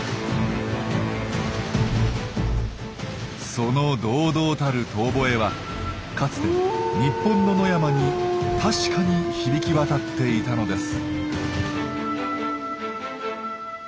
その堂々たる遠ぼえはかつて日本の野山に確かに響き渡っていたのです。